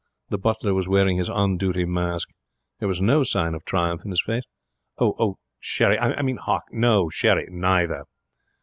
The butler was wearing his on duty mask. There was no sign of triumph in his face. 'Oh, sherry. I mean hock. No, sherry. Neither.'